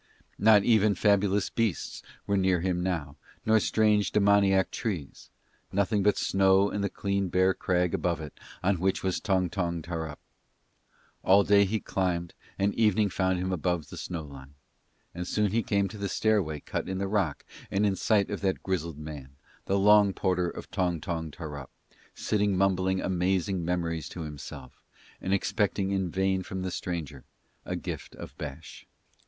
Not even fabulous beasts were near him now, nor strange demoniac trees nothing but snow and the clean bare crag above it on which was Tong Tong Tarrup. All day he climbed and evening found him above the snow line; and soon he came to the stairway cut in the rock and in sight of that grizzled man, the long porter of Tong Tong Tarrup, sitting mumbling amazing memories to himself and expecting in vain from the stranger a gift of bash.